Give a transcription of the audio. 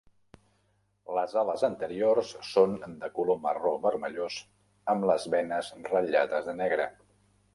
Les ales anteriors són de color marró vermellós amb les venes ratllades de negre.